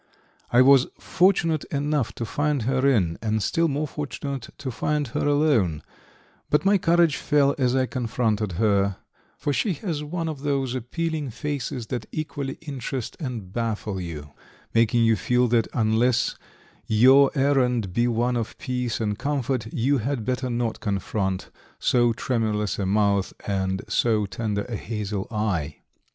I was fortunate enough to find her in, and still more fortunate to find her alone, but my courage fell as I confronted her, for she has one of those appealing faces that equally interest and baffle you, making you feel that unless your errand be one of peace and comfort, you had better not confront so tremulous a mouth and so tender a hazel eye.